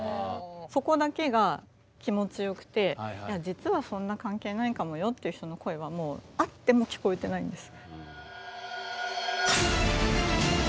そこだけが気持ちよくていや実はそんな関係ないかもよっていう人の声はあっても聞こえてないんです。